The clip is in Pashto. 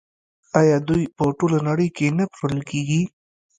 آیا دوی په ټوله نړۍ کې نه پلورل کیږي؟